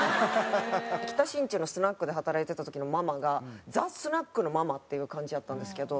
北新地のスナックで働いてた時のママがＴＨＥスナックのママっていう感じやったんですけど。